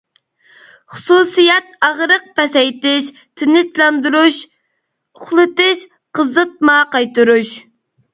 خۇسۇسىيەت ئاغرىق پەسەيتىش، تىنچلاندۇرۇش، ئۇخلىتىش، قىزىتما قايتۇرۇش.